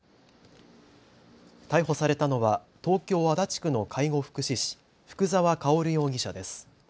逮捕されたのは東京足立区の介護福祉士、福澤薫容疑者です。